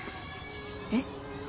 えっ？